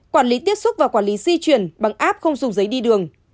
quản lý tiếp xúc và quản lý di chuyển bằng app không dùng giấy đi đường